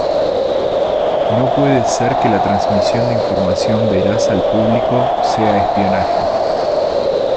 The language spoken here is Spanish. No puede ser que la transmisión de información veraz al público sea espionaje“.